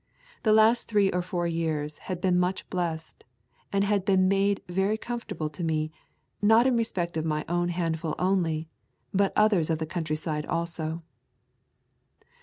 The last three or four years had been much blessed, and had been made very comfortable to me, not in respect of my own handful only, but others of the countryside also.'